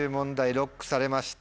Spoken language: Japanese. ＬＯＣＫされました。